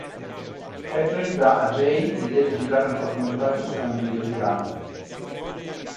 Patrick dà a Jay l'idea di girare un cortometraggio su un video pirata.